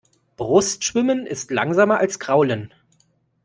Brustschwimmen ist langsamer als Kraulen.